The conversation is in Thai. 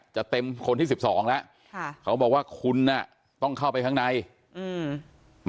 จะเต็มคนที่สิบสองแล้วค่ะเขาบอกว่าคุณน่ะต้องเข้าไปข้างในอืม